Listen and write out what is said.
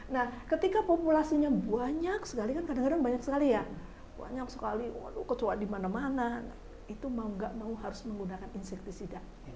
nah ketika populasinya banyak sekali kan kadang kadang banyak sekali ya banyak sekali ketua di mana mana itu mau gak mau harus menggunakan insertisida